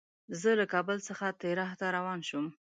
زه له کابل څخه تیراه ته روان شوم.